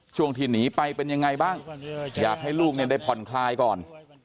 ช่วงที่หนีไปเป็นยังไงบ้างอยากให้ลูกเนี่ยได้ผ่อนคลายก่อน